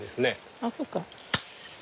あっそっか。